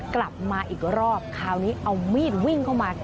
กลับมาอีกรอบคราวนี้เอามีดวิ่งเข้ามา